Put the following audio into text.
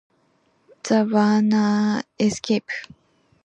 The Warners escape.